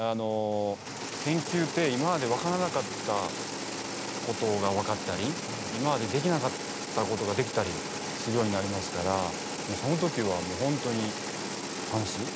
研究って今まで分からなかったことが分かったり今までできなかったことができたりするようになりますからその時はホントに楽しい。